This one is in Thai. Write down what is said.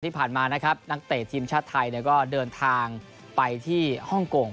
ที่ผ่านมานะครับนักเตะทีมชาติไทยก็เดินทางไปที่ฮ่องกง